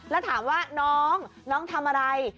แล้วถามว่าน้องน้องทำอะไร